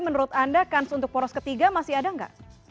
menurut anda kans untuk poros ketiga masih ada nggak